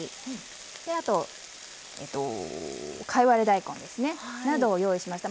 あと貝割れ大根ですねなどを用意しました。